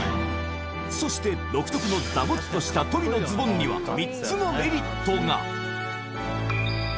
そして独特のダボっとした鳶のズボンには３つのメリットが！